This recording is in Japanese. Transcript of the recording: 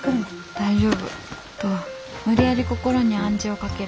「大丈夫」と無理やり心に暗示をかける。